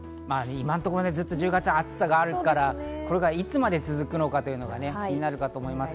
今のところ、ずっと１０月、暑さがあるので、これがいつまで続くか気になると思います。